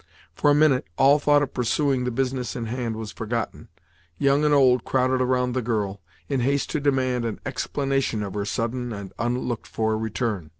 For a minute, all thought of pursuing the business in hand was forgotten. Young and old crowded around the girl, in haste to demand an explanation of her sudden and unlooked for return.